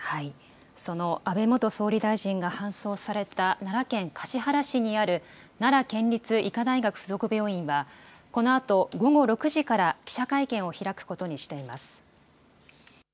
その安倍元総理大臣が搬送された奈良県橿原市にある、奈良県立医科大学附属病院は、このあと午後６時から記者会見を開くことにしています。